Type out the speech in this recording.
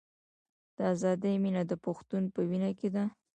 د ازادۍ مینه د پښتون په وینه کې ده.